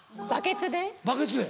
バケツで？